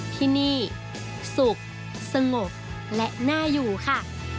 ที่นี่สุขสงบและน่าอยู่ค่ะ